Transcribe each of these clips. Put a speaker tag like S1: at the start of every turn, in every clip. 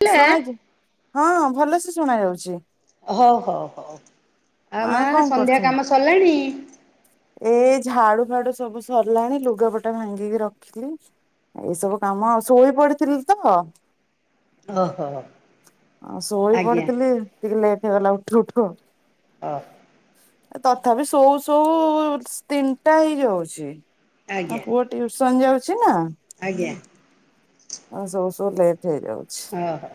S1: ହେଲା
S2: ଶୁଣା ଜିବ୍ ହଁ ଭଲଏଇ କ ଯାଉଛି।
S1: ହ ହଉ ହଉ ଆଉ ମା
S2: କଣ
S1: ସନ୍ଧ୍ୟା
S2: କରୁଛନ୍ତି
S1: କାମ ସରିଲାଣି।
S2: ଏ ଝାଡୁ ଫାଡୁ ସବୁ ସରିଲାଣି ଲୁଗାପଟା ଭାଙ୍ଗିକି ରଖିଲି। ଏଇ ସବୁ କାମ ଶୋଇ ପଡ଼ିଥିଲି ତ।
S1: ଓହୋ।
S2: ଆଉ ଶୋଇ
S1: ଆଜ୍ଞା।
S2: ପଡିଥିଲି ଉଠିକି ଲେଟ୍ ହେଇଗଲା ଉଠୁ ଉଠୁ ଆଉ।
S1: [inaudible]
S2: ତଥାପି ସୋଉ ସୋଉ ତିନିଟା ହେଇଯାଉଛି। ଆଉ
S1: ଆଜ୍ଞା
S2: ପୁଅ ଟିଉସନ ଯାଉଛି ନା।
S1: ଆଜ୍ଞା।
S2: ହଁ ସୋଉ ସୋଉ ଲେଟ୍ ହେଇଯାଉଛି।
S1: ଓହୋ।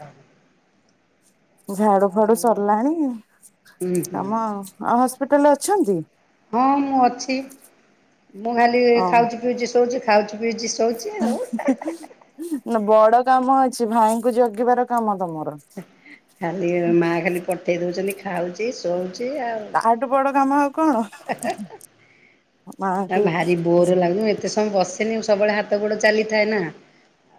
S2: ଝାଡୁ ଫାଡୁ
S1: ଆଉ
S2: ସରିଲାଣି
S1: ହୁଁ ହୁଁ
S2: କାମ ଆଉ ହସ୍ପିଟାଲରେ ଅଛନ୍ତି?
S1: ହଁ ମୁଁ ଅଛି ମୁଁ ଖାଲି
S2: ହଁ
S1: ଖାଉଛି ପିଉଛି ଶଉଛି। ଖାଉଛି ପିଉଛି ଶୋଉଛି ଆଉ।
S2: ନା ବଡ କାମ ଅଛି ଭାଇଙ୍କୁ ଜଗିବାର କାମ ତମର।
S1: ଖାଲି ମାଆ ଖାଲି ପଠେଇ ଦଉଛନ୍ତି ଖାଉଛି ଶୋଉଛି ଆଉ।
S2: ବଡ଼ ଟା କାମ ଆଉ କଣ?
S1: ନା
S2: ମାଙ୍କୁ
S1: ଭାରି ବୋର୍ ଲାଗୁଛି ମୁଁ ଏତେ ସମୟ ବସେନି ମୁଁ ସବୁବେଳେ ହାତ ଗୋଡ ଚାଲିଥାଏ ନା।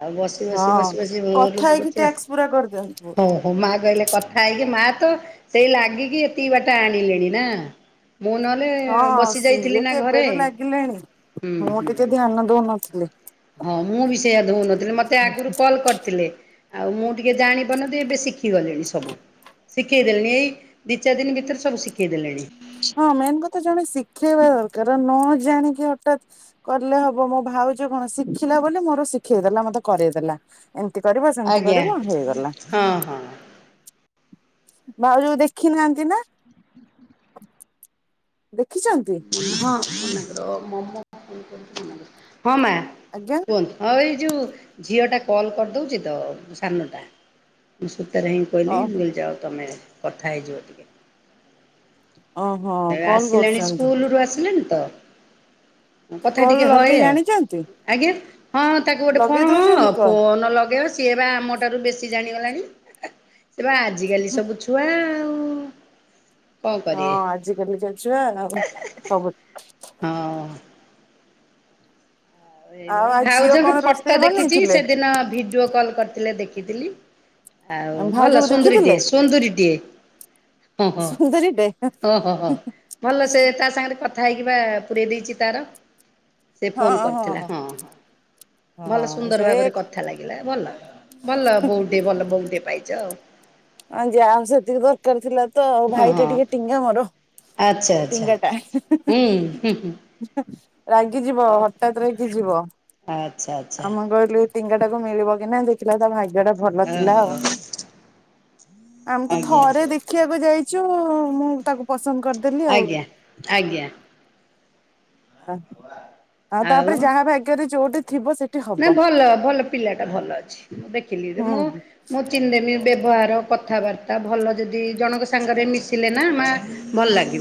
S1: ଆଉ ବସି ବସି
S2: ହଁ
S1: ବସି ବସି ବୋର୍
S2: କଥା ହେଇକି
S1: ଲାଗୁଛି ଆଉ
S2: ଟ୍ୟାକ୍ସ ପୁରା କରିଦିଅନ୍ତୁ
S1: ହଁ। ମୋ ମାଆ କହିଲେ କଥା ହେଇକି ମାଆ ତ ସେଇ ଲାଗିକି ଏତିକି ବାଟ ଆଣିଲେଣି ନା। ମୁଁ ନହେଲେ
S2: ହଁ
S1: ବସି
S2: ସିଏ
S1: ଯାଇଥିଲି ନା ଘରେ।
S2: କେବେଠୁ ଦଉ ନଥିଲେ।
S1: ହଁ ମୁଁ ବି ସେଇୟା ଦଉନଥିଲେ ମତେ ଆଗରୁ କଲ୍ କରିଥିଲେ ଆଉ ମୁଁ। ଟିକେ ଜାଣି ପାରୁନାହାନ୍ତି ଏବେ ଶିଖି ଗଲିଣି ସବୁ ଶି ସିଖେଇଦେଲେଣି ଏଇ ଦି ଚାରି ଦିନ ଭିତରେ ସବୁ ସିଖେଇ ଦେଲେଣି।
S2: ହଁ ମେନ୍ କଥା ଜଣେ ଶିଖେଇବା ଦରକାର ନ ଜାଣିକି ହଠାତ୍। କଲେ ହବ ମୋ ଭାଉଜ କଣ ଶିଖିଲା ବୋଲି ମୋର ଶିଖେଇଦେଲା ମତେ କରେଇଦେଲା। ଏମିତି କରିବ ସେମିତି
S1: ଆଜ୍ଞା
S2: କରିବ ହେଇଗଲା।
S1: ହଁ ହଁ।
S2: ଭାଉଜକୁ ଦେଖି ନାହାନ୍ତି ନା ଦେଖିଛନ୍ତି।
S1: [unintelligible] ହଁ ମା।
S2: ଆଜ୍ଞା।
S1: କୁହନ୍ତୁ ହଁ ଏଇ ଯଉଁ ଝିଅଟା କଲ୍ କରିଦଉଛି ତ ସାନଟା ମୁଁ ସୁତାରେ
S2: ଓ
S1: କହିଲି ମୁଁ କହିଲି ଯାଅ ତୁମେ କଥା ହେଇଯିବ ଟିକେ।
S2: ଓହୋ କଲ୍ କରୁଛନ୍ତି।
S1: [unintelligible] ଆସିଲେଣି ତ କଥା
S2: କଲ
S1: ଟିକେ ହଏ
S2: ଲଗେଇ
S1: ଆଉ।
S2: ଜାଣିଛନ୍ତି
S1: ଆଜ୍ଞା ହଁ ହଁ ତାକୁ ଗୋଟେ ଫୋନ
S2: ଲଗେଇ
S1: ହ
S2: ଦଉଛନ୍ତି କଲ
S1: ଫୋନ ଲଗେଇବ। ସିଏ ବା ଆମ ଠାରୁ ବେଶୀ ଜାଣିଗଲାଣି ସେ ବା ଆଜିକାଲି ସବୁ ଛୁଆ ଆଉ। କଣ
S2: ହଁ
S1: କରିବେ
S2: ଆଜି କାଲିିକା ଛୁଆ ଆଉ ସବୁ
S1: ହଁ। ଆଉ ଏଇ
S2: ଆ
S1: ଭଳିଆ
S2: ଝିଅ କଣ ରୋଷେଇ ବନେଇଥିଲେ
S1: ଆଉ ଭଲ
S2: ଭାଉଜକୁ
S1: ସୁନ୍ଦୁରୀ
S2: ଦେଖିଥିଲେ?
S1: ଟିଏ ସୁନ୍ଦୁରୀ ଟିଏ। ଓହୋ
S2: ସୁନ୍ଦରୀଟେ
S1: ଓହୋ ହୋ ଭଲ ସେ ତା ସାଙ୍ଗେରେ କଥ ଥା ହେଇକିବା ପୁରେଇ ଦେଇଛି ତାର ସେ ଫୋନ୍ କରିଥିଲା ହଁ ହଁ। ଭଲ
S2: ହଁ
S1: ସୁନ୍ଦର
S2: ସେ
S1: ଭାବରେ କଥା ଲାଗିଲା ଭଲ ଭଲ ବୋହୁଟେ ଭଲ ବୋହୁଟେ ପାଇଛ ଆଉ।
S2: ଆଉ ଯାହା ହୋଉ ସେତିକି ଦରକାର ଥିଲା ତ ଆଉ
S1: ହଁ
S2: ଭାଇ ଟା
S1: ହଁ
S2: ଟିକେ ଟିଙ୍ଗା ମୋରୋ।
S1: ଆଚ୍ଛା ଆଚ୍ଛା।
S2: ଟିଙ୍ଗା ଟା।
S1: ହୁଁ ହୁଁ ହୁଁ
S2: [unintelligible] ରାଗିଯିବ ହଠାତ୍ ରାଗି ଯିବ
S1: ଆଚ୍ଛା ଆଚ୍ଛା।
S2: ଆଉ ମୁଁ କହିଲି ଟିଙ୍ଗାଟାକୁ ମିଳିବ କି ନାହିଁ ଦେଖିଲା ବେଳୁକୁ ତା ଭାଗ୍ୟ ଟା ଭଲ ଥିଲା ଆଉ।
S1: ଓହୋ
S2: ଆମେ ତ
S1: ଆଜ୍ଞା
S2: ଥରେ ଦେଖିବାକୁ ଯାଇଚୁ ମୁଁ ତାକୁ ପସନ୍ଦ କରିଦେଲି ଆଉ
S1: ଆଜ୍ଞା ଆଜ୍ଞା
S2: ଆ
S1: ଆଉ
S2: ଥିବ ସେଠି ହବ
S1: ନାଇଁ ଭଲ ଭଲ ପିଲା ଟା ଭଲ ଅଛି। ମୁଁ ଦେଖିଲି ଯେ ମୁଁ
S2: ହୁଁ
S1: ମୁଁ ଚିହ୍ନିଦେମି ବ୍ୟବହାର କଥାବାର୍ତ୍ତା ଭଲ ଯଦି ଜଣଙ୍କ ସାଙ୍ଗରେ ମିଶିଲେ ନା ମାଆ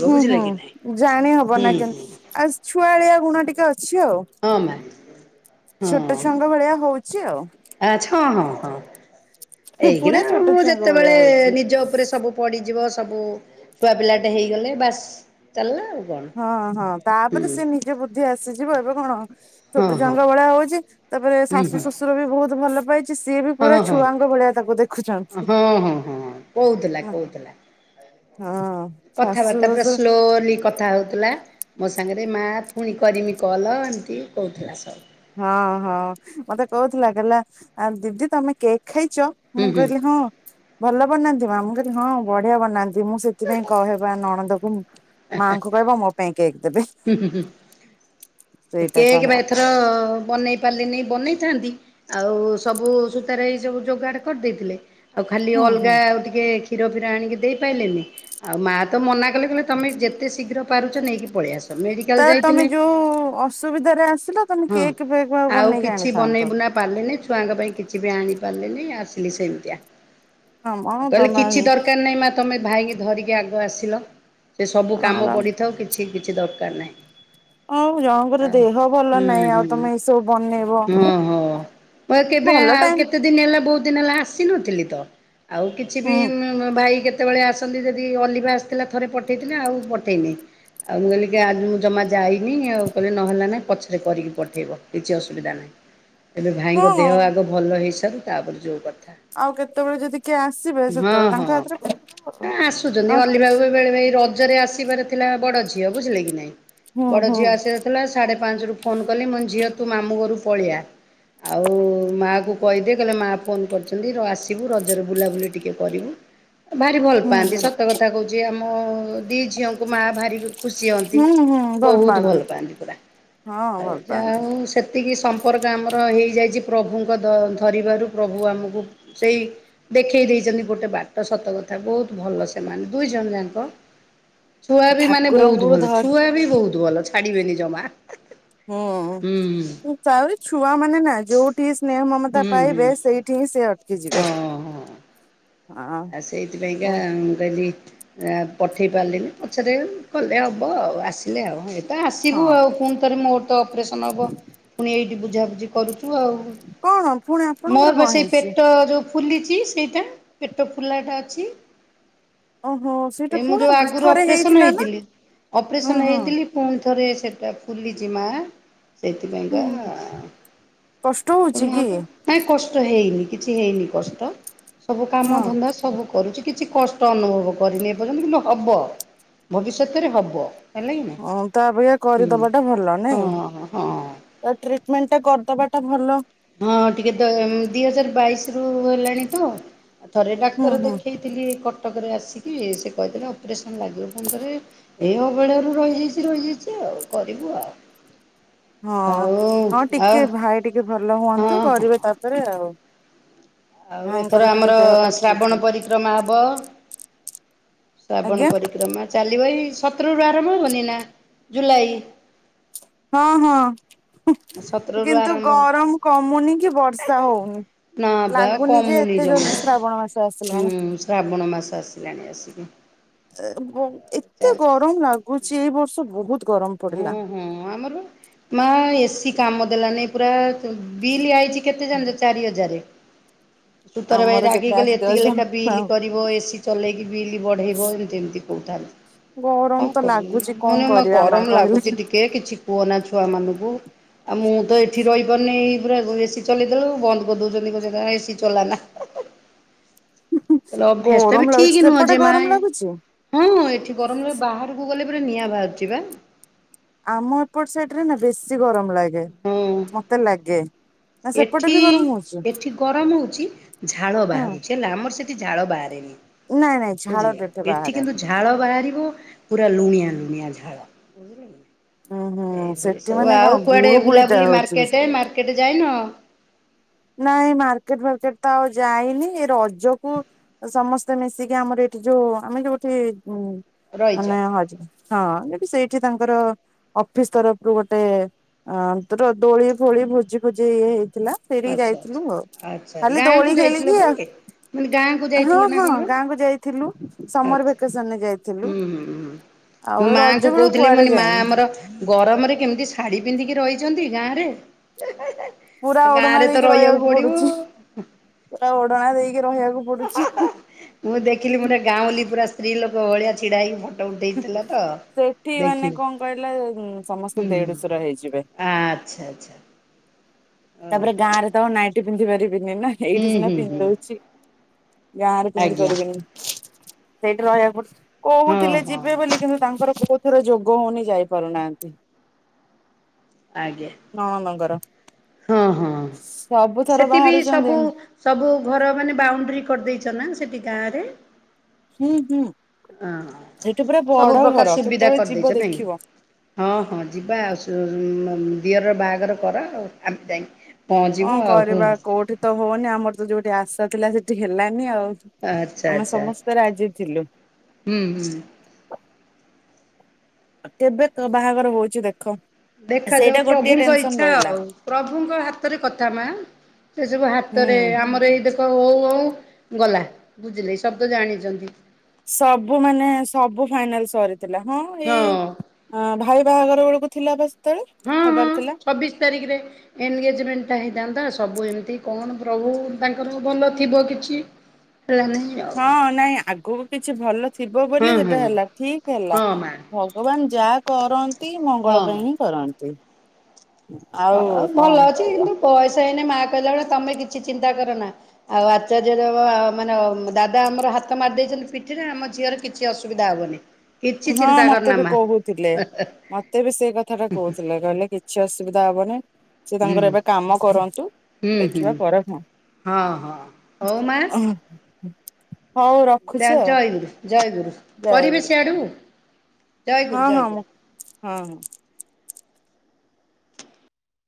S2: ହୁଁ ହଁ ଜାଣି ହବ
S1: ହୁଁ
S2: ନା କେମ୍
S1: ହୁଁ
S2: ଆଉ ଛୁଆଳିଆ ଗୁଣ ଟିକେ ଅଛି ଆଉ।
S1: ହଁ ମା
S2: ଛୋଟୋ ଛୁଆଙ୍କ ଭଳିଆ ହୋଉଛି ଆଉ।
S1: ଆଛା ହଁ ହଁ ହଁ ଏଇକିନା
S2: ପୁରା ଛୋଟ
S1: ମୁଁ
S2: ଛୁଆଙ୍କ ଭଳିଆ
S1: ଯେତେବେଳେ
S2: ହଉଛି।
S1: ନିଜ ଉପରେ ସବୁ ପଡିଯିବ ସବୁ ଛୁଆ ପିଲାଟେ ହେଇଗଲେ ବାସ୍ ଚାଲିଲା ଆଉ। କଣ।
S2: ହଁ ହଁ
S1: ହୁଁ
S2: ତାପରେ ସେ ନିଜ ବୁଦ୍ଧି ଆସିଯିବ ଏବେ କଣ
S1: ହଁ
S2: ଛୋଟୋ
S1: ହଁ
S2: ଛୁଆଙ୍କ ଭଳିଆ ହୋଉଚି ତାପରେ
S1: ହୁଁ
S2: ଶାଶୁ
S1: ହୁଁ
S2: ଶଶୁର ବି ବୋହୁତ ଭଲ ପାଇ ଯେ ସିଏ ବି ପୁରା
S1: ହଁ ହଁ।
S2: ଛୁଆଙ୍କ ଭଳିଆ ତାକୁ ଦେଖୁଛନ୍ତି।
S1: ହଁ ହଁ ହଁ କହୁଥିଲା କହୁଥିଲା
S2: ହଁ ଶାଶୁ
S1: କଥାବାର୍ତ୍ତା ପୁରା
S2: ଶଶୁର
S1: ସ୍ଲୋଲି କଥା ହଉଥିଲା। ମୋ ସାଙ୍ଗେରେ ମାଆ ଫୁଣି କରିମି କଲ ଏମିତି କୋହୁଥିଲା ସବୁ।
S2: ହଁ ହଁ ମତେ କୋହୁଥିଲା କହିଲା ଆଉ ଦିଦି ତମେ କେକ୍ ଖାଇଚ। ମୁଁ
S1: ହୁଁ ହୁଁ
S2: କହିଲି ହଁ ଭଲ ବନାନ୍ତି ମା ମୁଁ କହିଲି ହଁ ବଢିଆ ବନା ନ୍ତି ମୁଁ ସେଥିପାଇଁ କହେବା ନଣନ୍ଦକୁ ମାଆଙ୍କୁ କହିବ ମୋ ପାଇଁ କେକ୍ ଦେବେ।
S1: ହୁଁ ହୁଁ ହୁଁ।
S2: ସେଇଟା
S1: କେକ୍ ବା
S2: କହିବା
S1: ଏଥର ବନେଇ ପାରିଲିନି ବନେଇଥାନ୍ତି ଆଉ ସବୁ ସୂତାରେ ଏଇ ସବୁ ଯୋଗାଡ କରିଦେଇଥିଲେ। ଆଉ ଖାଲି
S2: ହୁଁ ହୁଁ
S1: ଅଲଗା ଆଉ ଟିକେ କ୍ଷୀର ଫୀର ଆଣିକି ଦେଇପାଇଲେନି ଆଉ ମାଆ ତ ମନା କଲେ କହଲେ ତମେ ଯେତେ ଶୀଘ୍ର ପାରୁଚ ନେଇକି ପଳେଇ ଆସ
S2: ତ
S1: ମେଡିକାଲ
S2: ତମେ
S1: ଯାଇଥିଲେ।
S2: ଯୋଉ ଅସୁବିଧାରେ ଆସିଲ ତମେ
S1: ହଁ
S2: କେକ୍ ଫେକ୍ ଆଉ ବନେଇକି
S1: କିଛି ବନେଇ
S2: ଆଣିଥାନ୍ତ।
S1: ବୁନା ପାରିଲିନି ଛୁଆଙ୍କ ପାଇଁ କିଛି ବି ଆଣି ପାରିଲିନି ଆସିଲି ସେମିତିଆ।
S2: ଆମ
S1: ଆଉ କହିଲେ
S2: ତମେ
S1: କିଛି
S2: ହଁ
S1: ଦରକାର ନାଇଁ ମା ତମେ ଭାଇଙ୍କି ଧରିକି ଆଗ ଆସିଲ ସେ ସବୁ କାମ ପଢ଼ିଥାଉ କିଛି କିଛି ଦରକାର ନାହିଁ।
S2: ଆଉ ଜଣଙ୍କର
S1: ଯା
S2: ଦେହ ଭଲ
S1: ହୁଁ
S2: ନାହିଁ
S1: ହୁଁ
S2: ଆଉ ତମେ ଏଇ ସବୁ ବନେଇବ
S1: ହଁ ହଁ। ମୁଁ [unintelligible] କେବେ
S2: ଭଲ
S1: ଆଉ
S2: ଟାଇମ୍
S1: କେତେ ଦିନ ହେଲା ବୋହୁତ ଦିନ ହେଲା ଆସିନଥିଲି ତ ଆଉ କିଛି ବି
S2: ହୁଁ
S1: ମି ମ ଭାଇ କେତେବେଳେ ଆସନ୍ତି ଯଦି ଅଲିଭା ଆସିଥିଲା ଥରେ ପଠେଇଥିଲେ ଆଉ ପଠେଇନି। ଆଉ ମୁଁ କହିଲି କିଏ ଆଜୁ ମୁଁ ଜମା ଯାଇନି ଆଉ। କହିଲେ ନା ହେଲା ନାହିଁ ପଛରେ କରିକି ପଠେଇବ କିଛି ଅସୁବିଧା ନାଇଁ ଏବେ ଭାଇଙ୍କ ଦେହ
S2: ହଁ
S1: ଆଗ ଭଲ ହେଇସାରୁ ତାପରେ ଯେଉଁ କଥା।
S2: ଆଉ କେତୋବୋଳେ ଯଦି କିଏ ଆସିବେ
S1: ହଁ
S2: ସେତୋବୋଳେ ତାଙ୍କ
S1: ହଁ
S2: ହାତରେ ପଠେଇ ଦବ
S1: ହଁ ଆସୁଛନ୍ତି
S2: ଆଉ ଆ
S1: ଅଲିଭାକୁ ବି ବେଳେ ଭେ ହେଇ ରଜରେ ଆସିବାର ଥିଲା ବଡ ଝିଅ ବୁଝିଲେ କି ନାଇଁ
S2: ହୁଁ
S1: ବଡ
S2: ହୁଁ
S1: ଝିଅ ଆସିବାର [unintelligible] ସାଢ଼େ ପାଞ୍ଚ ରୁ ଫୋନ୍ କଲି ମୁଁ କହିଲି ଝିଅ ତୁ ମାମୁଁ ଘରୁ ପଳେଇଆ। ଆଉ ମାଆକୁ କହିଦିଏ କହିଲା ମାଆ ଫୋନ୍ କରିଚନ୍ତି ର ଆସିବୁ ରଜରେ ବୁଲାବୁଲି ଟିକିଏ କରିବୁ। ଭାରି ଭଲ
S2: ହୁଁ ହୁଁ
S1: ପାଆନ୍ତି ସତ କଥା କୋହୁଚି ଆମ ଦି ଝିଅଙ୍କୁ ମାଆ ଭାରି ଖୁସି ହନ୍ତି ବୋହୁତ ଭଲ ପାଆନ୍ତି ପୁରା
S2: ହଁ
S1: ଆଉ
S2: ଭଲ
S1: ଯାହା
S2: ପାଆନ୍ତି।
S1: ହୋଉ ସେତିକି ସମ୍ପର୍କ ଆମର ହେଇଯାଇଛି ପ୍ରଭୁଙ୍କ ଦ ଧରିବାରୁ ପ୍ରଭୁ ଆମକୁ ସେଇ ଦେଖେଇ ଦେଇଛନ୍ତି ଗୋଟେ ବାଟ ସତକଥା ବହୁତ ଭଲ ସେମାନେ ଦୁଇ ଜଣ ଯାଙ୍କ। ଛୁଆ ବି ମାନେ ବହୁତ
S2: ଠାକୁରଙ୍କୁ
S1: ଭଲ
S2: ଧର
S1: ଛୁଆ ବି ବହୁତ ଭଲ ଛାଡିବେନି ଜମା। ହୁଁ
S2: ତ ଆହୁରି ଛୁଆ ମାନେ ନା ଯୋଉଠି ସ୍ନେହ ମମତା
S1: ହୁଁ ହୁଁ
S2: ପାଇବେ ସେଇଠି ହିଁ ସେ ଅଟେ କିଯିବେ
S1: ହଁ
S2: ସେ
S1: ହଁ ଆଉ ସେଇଥିପାଇଁକା ମୁଁ କହିଲି ଆ ପଠେଇ ପାରିଲିନି ପଛରେ କଲେ ହବ ଆଉ ଆସିଲେ ଆଉ। ତ ଆସିବୁ
S2: ହଁ
S1: ଆଉ ପୁଣି ଥରେ ମୋର ତ ଅପରେସନ୍ ହେବ ପୁଣି ଏଇଠି ବୁଝାବୁଝି କରୁଛୁ ଆଉ।
S2: କଣ ପୁଣି
S1: ମୋର
S2: ଆପଣଙ୍କର
S1: ବା
S2: କଣ
S1: ସେଇ
S2: ହେଇଛି?
S1: ପେଟ ଯୋଉ ଫୁଲିଛି ସେଇଟା ପେଟ ଫୁଲାଟା ଅଛି।
S2: ଓହୋ ସେଇଟା
S1: ଏ ମୁଁ ଯୋଉ
S2: ପୁଣି
S1: ଆଗରୁ
S2: ଥରେ
S1: ଅପରେସନ
S2: ହେଇଥିଲା ନା
S1: ହେଇଥିଲି
S2: ହୁଁ
S1: ଅପରେସନ
S2: ହୁଁ
S1: ହେଇଥିଲି ପୁଣି ଥରେ ସେଟା ଫୁଲିଛି ମା। ସେଇଥିପାଇଁକା
S2: ହୁଁ କଷ୍ଟ ହଉଛି
S1: ପୁଣି
S2: କି?
S1: ହବ। ନାଇଁ କଷ୍ଟ ହେଇନି କିଛି ହେଇନି କଷ୍ଟ ସବୁ
S2: ହଁ
S1: କାମ ଧନ୍ଦା ସବୁ କରୁଛି। କିଛି କଷ୍ଟ ଅନୁଭବ କରିନି ଏ ପର୍ଯ୍ୟନ୍ତ କିନ୍ତୁ ହବ ଭବିଷ୍ୟତରେ ହବ। ହେଲା କି ନା
S2: ହଁ ତା ଅପେକ୍ଷା
S1: ହୁଁ
S2: କରିଦବାଟା ଭଲ ନାଇଁ
S1: ହଁ ହଁ।
S2: ତା ଟ୍ରିଟମେଣ୍ଟ ଟା କରିଦବାଟା ଭଲ।
S1: ହଁ ଟିକେ ଦ ଦିହଜାର ବାଇଶ ରୁ ହେଲାଣି ତ ଥରେ
S2: ହୁଁ
S1: ଡାକ୍ତର
S2: ହୁଁ।
S1: ଦେଖାଇଥିଲି କଟକରେ ଆସିକି ସେ କହିଥିଲେ ଅପରେସନ୍ ଲାଗିବ ପୁଣି ଥରେ ଏଇ ଅବେଳାରୁ ରହିଯାଇଛି ରହିଯାଇଛି ଆଉ କରିବୁ ଆଉ।
S2: ହଁ ହଁ
S1: ଆଉ
S2: ଟିକେ ଭାଇ ଟିକେ ଭଲ
S1: ଆଉ
S2: ହୁଅନ୍ତୁ
S1: ହଁ
S2: କରିବେ
S1: ହଁ
S2: ତାପରେ ଆଉ।
S1: ଆଉ ଏଥର
S2: ଭାଇଙ୍କର ଟିକେ
S1: ଆମର
S2: ଦେହଟା
S1: ଶ୍ରାବଣ
S2: ଠିକ
S1: ପରିକ୍ରମା ହବ। ଶ୍ରାବଣ
S2: ଆଜ୍ଞା
S1: ପରିକ୍ରମା ଚାଲିବ ଏଇ ସତରରୁ ଆରମ୍ଭ ହବନି ନା ଜୁଲାଇ
S2: ହଁ ହଁ
S1: ସତରରୁ
S2: କିନ୍ତୁ
S1: ଆରମ୍ଭ
S2: ଗରମ କମୁନି କି ବର୍ଷା ହଉନି।
S1: ନା ବା
S2: ଲାଗୁନି ଯେ
S1: କମୁନି
S2: ଏତେ
S1: ଜମା
S2: ଜଲଦି ଶ୍ରାବଣ ମାସ
S1: ହୁଁ
S2: ଆସିଲାଣି।
S1: ଶ୍ରାବଣ ମାସ ଆସିଲାଣି ଆସିକି।
S2: ଏ ବ ଏତେ
S1: ଚାଲିଛି
S2: ଗରମ ଲାଗୁଛି ଏଇ ବର୍ଷ ବହୁତ ଗରମ ପଡିଲା।
S1: ହଁ ଆମର ମା ଏସିି କାମ ଦେଲାନି ପୁରା ବିଲ୍ ଆଇଛି କେତେ ଜାଣିଚ ଚାରି ହଜାର। ଶୁତାର ଭାଇ
S2: ଆମର
S1: ରାଗି
S2: କେତେ
S1: କଲେ
S2: ଆସିବ
S1: ଏତିକି ଲେଖା
S2: ଜଣା
S1: ବିଲ କରିବ ଏସି ଚଲେଇକି ବିଲ୍ ବଢ଼େଇବ ଏମିତି ଏମିତି କହୁଥାନ୍ତି। କଣ
S2: ଗରମ ତ
S1: କରିବି
S2: ଲାଗୁଛି
S1: ମାନେ
S2: କଣ
S1: ମ
S2: କରିବା ମା।
S1: ଗରମ
S2: କହିଲେ।
S1: ଲାଗୁଛି ଟିକେ କିଛି କୁହ ନା ଛୁଆ ମାନଙ୍କୁ। ଆଉ ମୁଁ ତ ଏଠି ରହିପାରୁନି ଏଇ ପୁରା ଏସି ଚଲେଇଦେଲୁ ବନ୍ଦ କରିଦଉଛନ୍ତି। କହୁଚନ୍ତି ଆଉ ଏସିି ଚଲାନା। ତ ଅଭ୍ୟାସ ଟା ବି
S2: ଗରମ ଲାଗୁଛି
S1: ଠିକ ନୁହଁ
S2: ସେପଟେ
S1: ଯେ ମା
S2: ଗରମ
S1: ଏ
S2: ଲାଗୁଛି?
S1: ହଁ ଏଠି ଗରମରେ ବାହାରକୁ ଗଲେ ପୁରା ନିଆଁ ବାହାରୁଛି ବା।
S2: ଆମ ଏପଟ ସାଇଡ ରେ ନା ବେଶୀ ଗରମ ଲାଗେ
S1: ହଁ।
S2: ମତେ ଲାଗେ। ନା ସେପଟେ
S1: ଏଠି
S2: ବି ଗରମ ହଉଛି?
S1: ଏଠି ଗରମ ହଉଛି ଝାଳ
S2: ହୁଁ
S1: ବାହାରୁଛି ହେଲା ଆମର ସେଠି ଝାଳ ବାହାରେନି।
S2: ନାଇଁ ନାଇଁ
S1: ବୁଝିଲେ
S2: ଝାଳଟା
S1: ଏଠି
S2: ବାହାରେନି।
S1: କିନ୍ତୁ ଝାଳ ବାହାରିବ ପୁରା ଲୁଣିଆ ଲୁଣିଆ ଝାଳ।
S2: ହୁଁ ହୁଁ
S1: ଏଇଭଳି
S2: ସେଠି
S1: ସବୁ
S2: ମାନେ କଣ
S1: ଆଉ କୁଆଡେ
S2: ଗୁଳୁ ଗୁଳିଟା
S1: ବୁଲାବୁଲି
S2: ହଉଛି ବେଶୀ।
S1: ମାର୍କେଟ ମାର୍କେଟ ଯାଇନ?
S2: ନାଇଁ ମାର୍କେଟ ଫାର୍କେଟ ତ ଆଉ ଯାଇନି। ଏ ରଜକୁ ସମସ୍ତେ ମିଶିକି ଆମର ଏଇଠି ଯୋଉ ଆମେ ଯୋଉଠି
S1: ରହିଛ?
S2: ମାନେ ହଜ ହଁ ଯଦି ସେଇଠି ତାଙ୍କର ଅଫିସ ତରଫରୁ ଗୋଟେ ଅଁ ତୋର ଦୋଳି ଫୋଳି ଭୋଜି ଫୋଜି ଇଏ ହେଇଥିଲା। ସେଇଠିକି
S1: ଆଚ୍ଛା
S2: ଯାଇଥିଲୁ ଆଉ
S1: ଆଚ୍ଛା ଆଚ୍ଛା
S2: ଖାଲି
S1: ଗାଁକୁ
S2: ଦୋଳି
S1: ଯାଇଥିଲ
S2: ଖେଳିକି
S1: ପରି? ମାନେ ଗାଁକୁ
S2: ଆଉ ହଁ
S1: ଯାଇଥିଲ ନା କଣ
S2: ହଁ
S1: ବା
S2: ଗାଁକୁ ଯାଇ ଥିଲୁ ସମର
S1: ଆଚ୍ଛା
S2: ଭେକେସନରେ ଯାଇଥିଲୁ। ଆଉ
S1: ମୋ
S2: ରଜ
S1: ମାଙ୍କୁ
S2: ବେଳକୁ
S1: କହୁଥିଲି
S2: କୁଆଡେ
S1: ମାନେ ମା
S2: ଯାଇନି
S1: ଆମର ଗରମରେ କେମିତି ଶାଢୀ ପିନ୍ଧିକି ରହିଛନ୍ତି ଗାଁରେ।
S2: ପୁରା ଓଢଣା
S1: ଗାଁରେ ତ
S2: ଦେଇକି ରହିବାକୁ ପଡୁଚି
S1: ପଡିବ।
S2: ପୁରା ଓଡଣା ଦେଇକି ରହିବାକୁ ପଡୁଛି।
S1: ମୁଁ ଦେଖିଲି ଗାଉଁଲି ପୁରା ସ୍ତ୍ରୀ ଲୋକ ଭଳିଆ ଛିଡା ହେଇ ଫ
S2: ସେଠି ମାନେ କଣ କହିଲ ସମସ୍ତେ
S1: ହୁଁ
S2: ଦେଡୁଶୁର ହେଇଯିବେ।
S1: ଆଚ୍ଛା ଆଚ୍ଛା।
S2: ତାପରେ
S1: ଓହୋ
S2: ଗାଁରେ ତ ଆଉ ନାଇଟି ପିନ୍ଧି ପାରିବିନି ନା
S1: ହୁଁ
S2: ଏଇଠି ସିନା
S1: ହୁଁ
S2: ପିନ୍ଧି
S1: ହୁଁ।
S2: ଦଉଚି। ଗାଁ ରେ କେମିତି
S1: ଆଜ୍ଞା
S2: କରିବିନି ସେଇଠି ରହିବାକୁ ପଡୁଛି
S1: ହଁ
S2: କହୁଥିଲେ
S1: ହଁ
S2: ଯିବେ ବୋଲି। କିନ୍ତୁ ତାଙ୍କର କୋଉ ଥରେ ଯୋଗ ହଉନି ଯାଇ ପାରୁନାହାନ୍ତି।
S1: ଅଜ୍ଞା।
S2: ନଣନ୍ଦଙ୍କର।
S1: ହଁ ହଁ
S2: ସବୁଥର
S1: ସେଟି ବିି
S2: ବାହାରୁଛନ୍ତି
S1: ସବୁ ସବୁ ଘର ମାନେ ବାଉଣ୍ଡୁରି କରିଦେଇଚ ନା ସେଠି ଗାଁରେ?
S2: ହୁଁ-ହୁଁ
S1: ହଁ
S2: ସେଠି ପୁରା
S1: ସବୁ
S2: ବଡ ଘର କେତେବେଳେ ଯିବ ଦେଖିବ।
S1: ହଁ-ହଁ ଯିବା ଆଉ ସୁ ଦିଅରର ବାହାଘର କର ଆଉ ଆମେ ଯାଇ
S2: କଣ
S1: ପହଞ୍ଚିବୁ ଆଉ ହୁଁ।
S2: କରିବା କୋଉଠି ତ ହଉନି ଆମର ତ ଯୋଉଠି ଆଶା ଥିଲା ସେଠି ହେଲାନି ଆଉ
S1: ଆଚ୍ଛା
S2: ଆମେ
S1: ଆଚ୍ଛା
S2: ସମସ୍ତେ ରାଜି ଥିଲେ।
S1: ହୁଁ ହୁଁ।
S2: କେବେ କେ ବାହାଘର ହଉଛି ଦେଖ।
S1: ଦେଖାଯାଉ
S2: ସେଇଟା ଗୋଟିଏ
S1: ପ୍ରଭୁଙ୍କ
S2: ଟେନସନ
S1: ଇଚ୍ଛା
S2: ରହିଲା
S1: ଆଉ ପ୍ରଭୁଙ୍କ ହାତରେ କଥା ମା। ସେ ସବୁ ହାତରେ
S2: ହୁଁ।
S1: ଆମର ଏଇ ଦେ ହଉ ହଉ ଗଲା ବୁଝିଲେ ସବୁତ ଜାଣିଛନ୍ତି।
S2: ସବୁ ମାନେ ସବୁ ଫାଇନାଲ ସରିଥିଲା ହଁ ଏଇ ଅ ଭାଇ ବାହାଘର ବେଳକୁ ଥିଲା ପା ସେତେବେଳେ ହବାର ଥିଲା।
S1: ଚବିଶ ତାରିଖିରେ। ଏନଗେଜମେଣ୍ଟ ଟା ହେଇଥାନ୍ତା ସବୁ ଏମିତି କଣ ପ୍ରଭୁ ତାଙ୍କର ଭଲ ଥିବ କିଛି। [unintelligible]
S2: ହଁ ନାଇଁ ଆଗକୁ କିଛି ଭଲ ଥିବ ବୋଲି
S1: ହଁ ହଁ
S2: ସେଟା ହେଲା ଠିକ୍ ହେଲା।
S1: ହଁ ମା
S2: ଭଗବାନ୍ ଯା କରନ୍ତି ମଙ୍ଗଳ ପାଇଁ
S1: ହଁ।
S2: ହିଁ କରନ୍ତି। ଆଉ
S1: ହଁ ଭଲ
S2: କଣ
S1: ଅଛି
S2: କହିବା
S1: କିନ୍ତୁ ବୟସ ହେଇନି ମା କହିଲା ବେଳେ ତମେ କିଛି ଚିନ୍ତା କର ନା। ଆଉ ଆଚାର୍ଯ୍ୟ ଦେବ ମାନେ ଦାଦା ଆମର ହାତ ମାରି ଦେଇଛନ୍ତି ପିଠିରେ ଆମ ଝିଅର କିଛି ଅସୁବିଧା ହବନି। କିଛି
S2: ହଁ
S1: ଚିନ୍ତା
S2: ମତେ
S1: କରନା
S2: ବି
S1: ମା
S2: କହୁଥିଲେ ମତେ ବି ସେଇ କଥା ଟା କହୁଥିଲେ କହିଲେ କି କିଛି ଅସୁବିଧା ହବନି ସେ
S1: ହୁଁ
S2: ତାଙ୍କର ଏବେ କାମ କରନ୍ତୁ
S1: ହୁଁ ହୁଁ
S2: ଦେଖିବା ପରେ ହଁ।
S1: ହଁ ହଁ ହଉ ମା।
S2: ହଉ ରଖୁଛି ଆଉ
S1: ଜୟ ଗୁରୁ ଜୟ ଗୁରୁ
S2: ଯୟ
S1: କରିବେ
S2: ଗୁରୁ
S1: ସିଆଡୁ
S2: ହଉ।
S1: ଜୟ
S2: ହଁ
S1: ଗୁରୁ ଜୟ
S2: ହଁ
S1: ଗୁରୁ।
S2: ମୁଁ ହୁଁ।